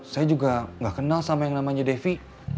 saya juga gak kenal sama yang namanya devi